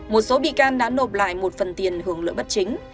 một số bị can đã nộp lại một phần tiền hưởng lợi bất chính